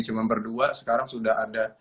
cuma berdua sekarang sudah ada